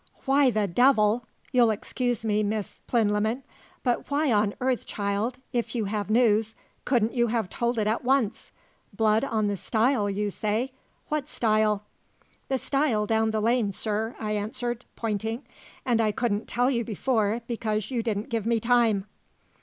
"Why the devil you'll excuse me, Miss Plinlimmon but why on earth, child, if you have news, couldn't you have told it at once? Blood on the stile, you say? What stile?" "The stile down the lane, sir," I answered, pointing. "And I couldn't tell you before because you didn't give me time."